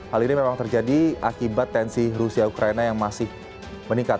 hal ini memang terjadi akibat tensi rusia ukraina yang masih meningkat